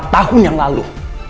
empat tahun yang lalu